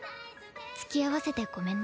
つきあわせてごめんね。